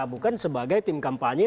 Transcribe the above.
bukan sebagai tim kampanye